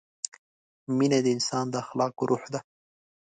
مینه د انسان د اخلاقو روح ده.